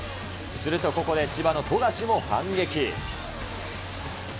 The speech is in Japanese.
すると、ここで千葉の富樫も反撃。